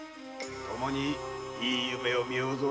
ともにいい夢を見ようぞ。